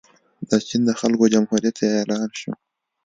د چین د خلکو جمهوریت اعلان شو.